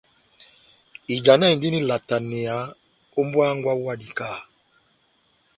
Ijanahindini ilataneya ó mbówa hángwɛ wawu wa dikaha.